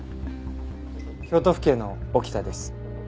京都府警の沖田です。